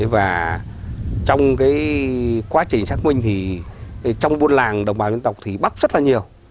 và trong quá trình xác minh thì trong buôn làng đồng bào dân tộc thì bắp rất là nhiều